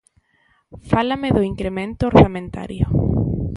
Fálame do incremento orzamentario.